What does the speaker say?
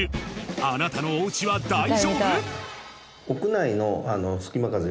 あなたのおうちは大丈夫？